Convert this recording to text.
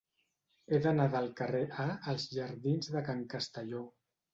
He d'anar del carrer A als jardins de Can Castelló.